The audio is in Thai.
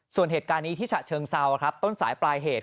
ส่วนเหตุการณ์นี้ที่ฉะเชิงเซาครับต้นสายปลายเหตุ